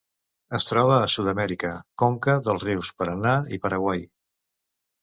Es troba a Sud-amèrica: conca dels rius Paranà i Paraguai.